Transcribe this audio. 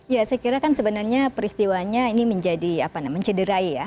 ya saya kira kan sebenarnya peristiwanya ini menjadi apa namanya mencederai ya